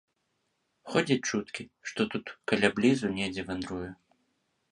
Ходзяць чуткі, што тут каля блізу недзе вандруе.